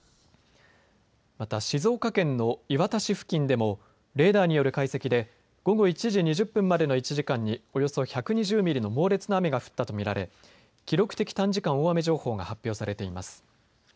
また静岡県の磐田市付近でもレーダーによる解析で午後１時２０分までの１時間におよそ１２０ミリの猛烈な雨が降ったと見られ、記録的短時間大雨情報が発表されています。